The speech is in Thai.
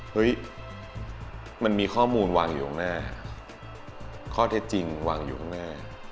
เฮ้ยมันมีข้อมูลวางอยู่ข้างหน้าข้อเท็จจริงวางอยู่ข้างหน้า